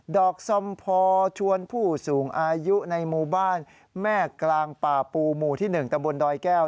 อกซอมพอชวนผู้สูงอายุในหมู่บ้านแม่กลางป่าปูหมู่ที่๑ตำบลดอยแก้ว